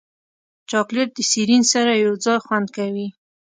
چاکلېټ د سیرین سره یوځای خوند کوي.